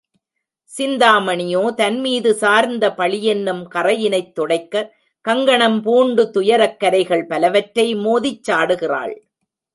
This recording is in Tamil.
சிந்தாமணியோ, தன்மீது சார்ந்த பழியென்னும் கறையினைத் துடைக்கக் கங்கணம் பூண்டு துயரக் கரைகள் பலவற்றை மோதிச் சாடுகிறாள்.